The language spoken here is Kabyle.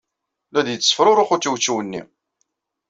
La d-yettefrurux ucewcew-nni.